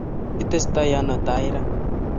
Itestai ano tai ra?